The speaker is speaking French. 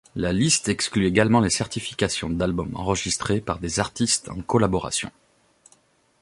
La liste exclut également les certifications d'albums enregistrés par des artistes en collaboration.